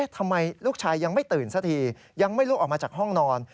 ทำไมลูกชายยังไม่ตื่นสักทียังไม่ลุกออกมาจากห้องนอน